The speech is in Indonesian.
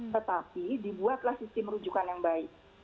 tetapi dibuatlah sistem rujukan yang baik